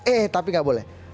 eh tapi gak boleh